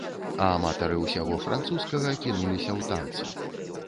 А аматары ўсяго французскага кінуліся ў танцы.